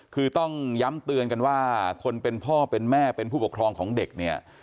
คือต้องย้ำเตือนกันว่าคนเป็นพ่อเป็นแม่เป็นผู้ปกครองของเด็กเนี่ย